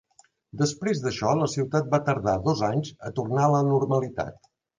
Després d'això, la ciutat va tardar dos anys a tornar a la normalitat.